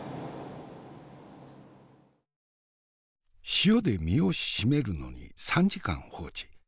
塩で身をしめるのに３時間放置。